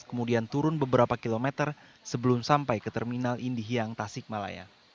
kemudian turun beberapa kilometer sebelum sampai ke terminal indihiyang tasik malaya